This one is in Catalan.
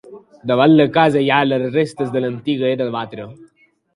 Davant la casa hi ha les restes de l'antiga era de batre.